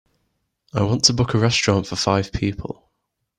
I want to book a restaurant for five people.